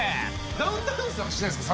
ダウンタウンさんはしないですか？